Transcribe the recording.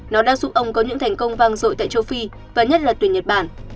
nó đã giúp ông có những thành công vang rội tại châu phi và nhất là tuyển nhật bản